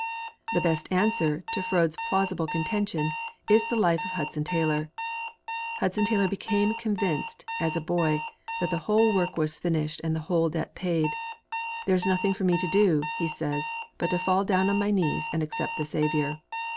The best answer to Froude's plausible contention is the Life of Hudson Taylor. Hudson Taylor became convinced, as a boy, that 'the whole work was finished and the whole debt paid.' 'There is nothing for me to do,' he says, 'but to fall down on my knees and accept the Saviour.'